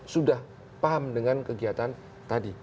sudah paham dengan kegiatan tadi